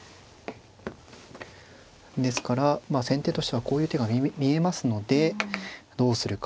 ですから先手としてはこういう手が見えますのでどうするかですね。